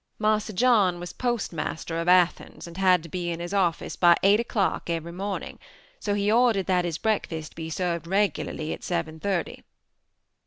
Marse John was postmaster of Athens and had to be in his office by eight o'clock every morning so he ordered that his breakfast be served regularly at seven thirty.